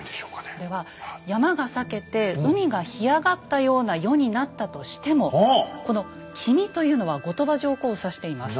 これは山が裂けて海が干上がったような世になったとしてもこの「君」というのは後鳥羽上皇を指しています。